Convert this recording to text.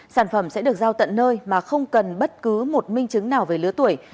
sản phẩm sẽ được giao tận nơi mà không cần bất cứ một minh chứng nào về lứa tuổi